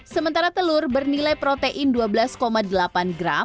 sementara telur bernilai protein dua belas delapan gram per seratus gram